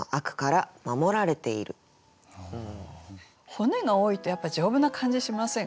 骨が多いとやっぱり丈夫な感じしませんか？